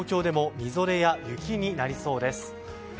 東京でもみぞれや雪になりそうです。